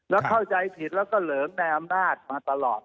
แล้วเข้าใจผิดแล้วก็เหลิงในอำนาจมาตลอด